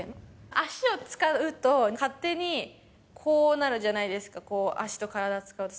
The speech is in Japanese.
足を使うと、勝手にこうなるじゃないですか、こう、足と体使うと。